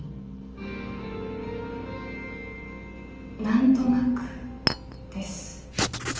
何となくです。